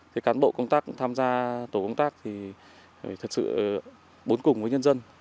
thì cán bộ công tác tham gia tổ công tác thì phải thật sự bốn cùng với nhân dân